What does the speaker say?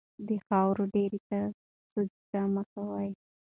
د خاورو ډېري ته سجده مه کوئ.